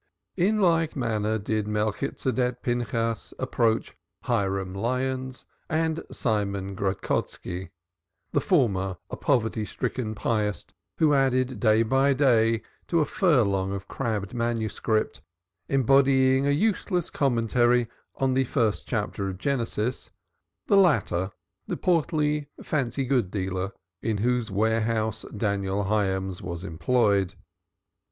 In like manner did Melchitsedek Pinchas approach Hiram Lyons and Simon Gradkoski, the former a poverty stricken pietist who added day by day to a furlong of crabbed manuscript, embodying a useless commentary on the first chapter of Genesis; the latter the portly fancy goods dealer in whose warehouse Daniel Hyams was employed.